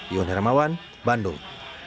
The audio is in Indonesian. yon hermawan bandung